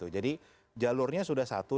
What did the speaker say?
jadi jalurnya sudah satu